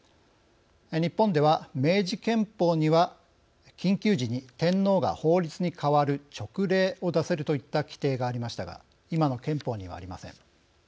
日本では、明治憲法には緊急時に天皇が法律に代わる「勅令」を出せるといった規定がありましたが今の憲法にはありません。